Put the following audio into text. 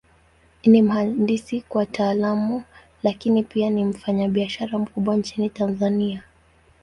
Ni mhandisi kwa Taaluma, Lakini pia ni mfanyabiashara mkubwa Nchini Tanzania.